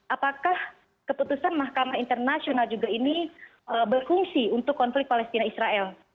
apakah keputusan mahkamah internasional juga ini berfungsi untuk konflik palestina israel